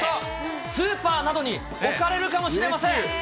スーパーなどに置かれるかもしれません。